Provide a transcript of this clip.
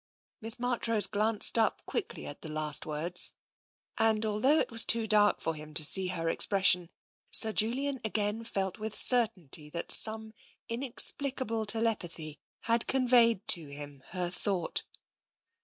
Miss Marchrose glanced up quickly at the last words, and although it was too dark for him to see her ex pression, Sir Julian again felt with certainty that some inexplicable telepathy had conveyed to him her thought.